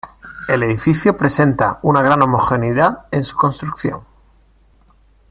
El edificio presenta una gran homogeneidad en su construcción.